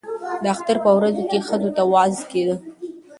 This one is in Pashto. د اختر په ورځو کې ښځو ته وعظ کېده.